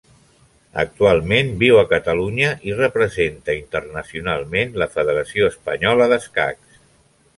Actualment viu a Catalunya, i representa internacionalment la Federació Espanyola d'Escacs.